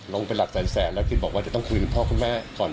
ลงไปหลักแสดและกิจบอกว่าจะต้องคุยกับพ่อคุณแม่ก่อน